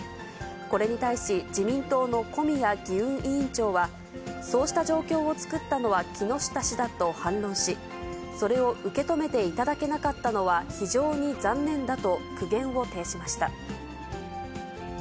これに対し、自民党の小宮議運委員長は、そうした状況を作ったのは木下氏だと反論し、それを受け止めていただけなかったのは非常に残念だと苦言を呈しました。